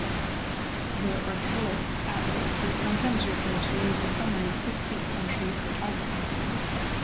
The Ortelius atlas is sometimes referred to as the summary of sixteenth-century cartography.